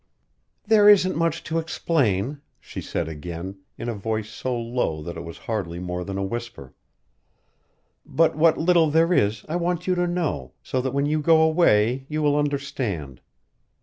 "There isn't much to explain," she said again, in a voice so low that it was hardly more than a whisper. "But what little there is I want you to know, so that when you go away you will understand.